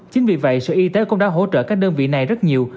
chính vì vậy sở y tế cũng đã hỗ trợ các đơn vị này rất nhiều